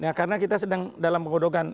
nah karena kita sedang dalam pengodokan